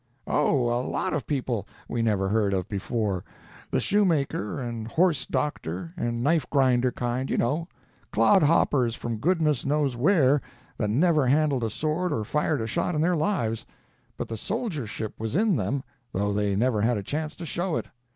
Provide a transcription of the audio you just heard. "Oh, a lot of people we never heard of before—the shoemaker and horse doctor and knife grinder kind, you know—clodhoppers from goodness knows where that never handled a sword or fired a shot in their lives—but the soldiership was in them, though they never had a chance to show it.